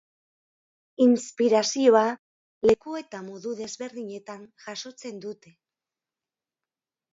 Inspirazioa leku eta modu desberdinetan jasotzen dute.